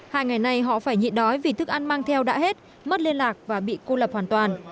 hai ngày nay họ phải nhị đói vì thức ăn mang theo đã hết mất liên lạc và bị cô lập hoàn toàn